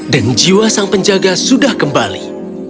dan jiwa sang penjaga sudah kembali